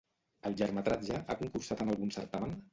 El llargmetratge ha concursat en algun certamen?